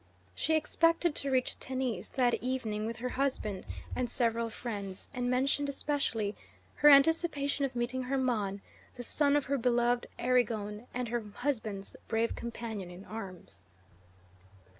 She expected to reach Tennis that evening with her husband and several friends, and mentioned especially her anticipation of meeting Hermon, the son of her beloved Erigone and her husband's brave companion in arms.